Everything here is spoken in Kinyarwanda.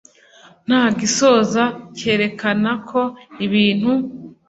nta gisoza cyerekana ko ibintu